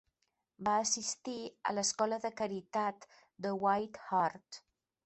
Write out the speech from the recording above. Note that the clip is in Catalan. Va assistir a l'escola de caritat de White Hart.